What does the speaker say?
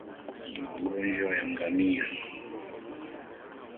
Magonjwa ya Ngamia